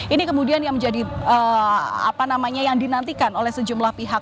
ini kemudian yang menjadi apa namanya yang dinantikan oleh sejumlah pihak